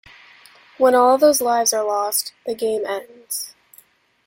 When all of those lives are lost, the game ends.